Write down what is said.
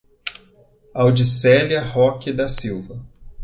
Audicelia Roque da Silva